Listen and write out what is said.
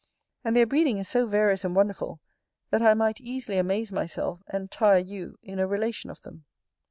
And their breeding is so various and wonderful, that I might easily amaze myself, and tire you in a relation of them.